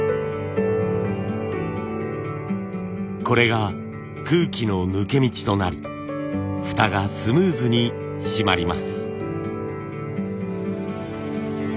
これが空気の抜け道となりフタがスムーズに閉まります。